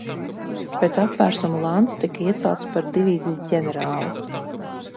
Pēc apvērsuma Lanns tika iecelts par divīzijas ģenerāli.